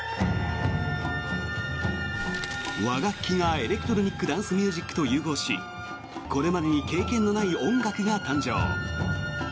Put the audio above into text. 和楽器がエレクトロニック・ダンス・ミュージックと融合しこれまでに経験のない音楽が誕生！